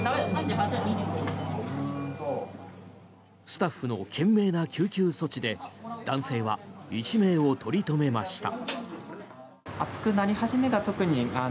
スタッフの懸命な救急措置で男性は一命を取り留めました。